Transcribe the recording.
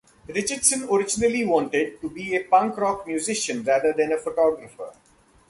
Richardson originally wanted to be a punk rock musician rather than a photographer.